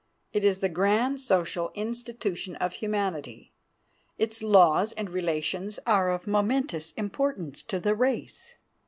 It is the grand social institution of humanity. Its laws and relations are of momentous importance to the race.